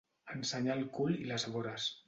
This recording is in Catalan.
Ensenyar el cul i les vores.